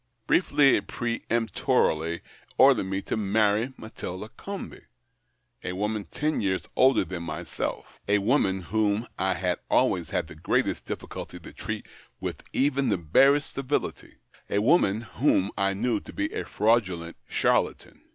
Briefly, it peremp torily ordered me to marry Matilda Comby — a woman ten years older than myself — a THE OCTAVE OF CLAUDIUS. 77 woman whom I had always had the greatest difficulty to treat with even the barest civility — a woman whom I knew to be a fraudulent charlatan.